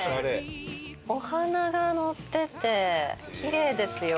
お花がのっててキレイですよ。